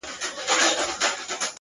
• کال په کال یې زیاتېدل مځکي باغونه,